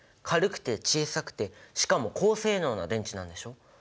軽くて小さくてしかも高性能な電池なんでしょ。